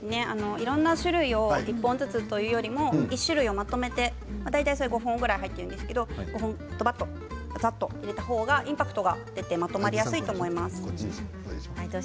いろんな種類を１本ずつというよりも１種類をまとめて大体５本ぐらい入っているんですけどどばっと、ざっと入れた方がインパクトが出てまとまりやすいと思います。